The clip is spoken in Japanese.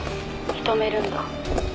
「認めるんだ」